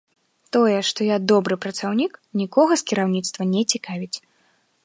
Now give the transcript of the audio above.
Тое, што я добры працаўнік, нікога з кіраўніцтва не цікавіць.